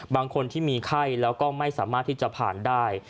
บางคนที่มีไข้แล้วก็ไม่สามารถที่จะผ่านได้